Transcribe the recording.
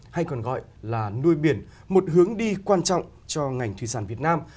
hay còn gọi là nuôi biển một hướng đi quan trọng cho ngành thủy sản việt nam